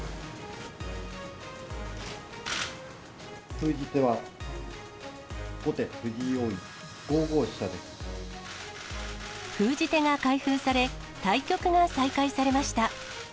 封じ手は後手、封じ手が開封され、対局が再開されました。